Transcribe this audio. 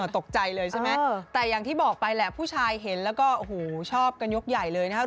ตกใจเลยใช่ไหมแต่อย่างที่บอกไปแหละผู้ชายเห็นแล้วก็โอ้โหชอบกันยกใหญ่เลยนะครับ